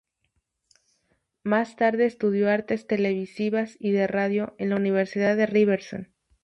Más tarde estudió artes televisivas y de radio en la Universidad de Ryerson.